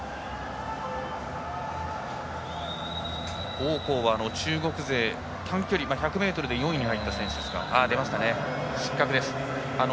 王浩は中国勢、短距離の１００ｍで４位に入った選手ですが。